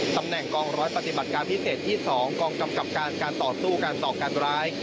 ตำแหน่งกองร้อยปฏิบัติการพิเศษที่๒กองกำกับการการต่อสู้การก่อการร้าย